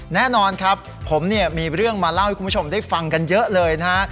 แน่นอนครับผมเนี่ยมีเรื่องมาเล่าให้คุณผู้ชมได้ฟังกันเยอะเลยนะฮะ